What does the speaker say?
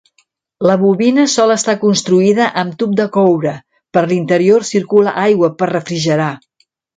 La bobina sol estar construïda amb tub de coure, per l'interior circula aigua per refrigerar.